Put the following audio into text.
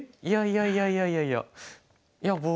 いやいやいやいやいやいや。